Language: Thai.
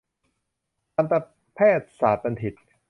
ทันตแพทยศาสตรบัณฑิต